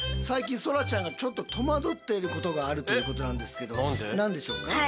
最近そらちゃんがちょっと戸惑っていることがあるということなんですけど何でしょうか？